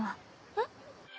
えっ？